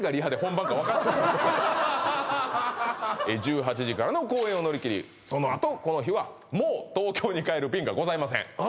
今もう１８時からの公演を乗り切りそのあとこの日はもう東京に帰る便がございませんあ